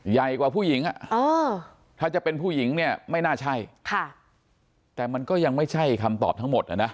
ใหญ่กว่าผู้หญิงถ้าจะเป็นผู้หญิงเนี่ยไม่น่าใช่ค่ะแต่มันก็ยังไม่ใช่คำตอบทั้งหมดอ่ะนะ